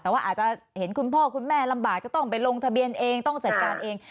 แต่ว่าอาจจะเห็นคุณพ่อคุณแม่ลำบากจะต้องไปลงทะเบียนเองต้องจัดการเอง